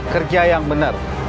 kerja yang benar